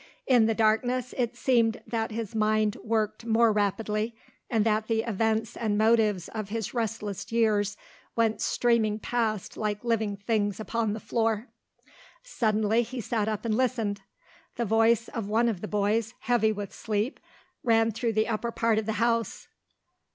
In the darkness it seemed that his mind worked more rapidly and that the events and motives of his restless years went streaming past like living things upon the floor. Suddenly he sat up and listened. The voice of one of the boys, heavy with sleep, ran through the upper part of the house.